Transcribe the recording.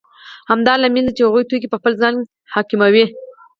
همدا لامل دی چې هغوی توکي په خپل ځان حاکموي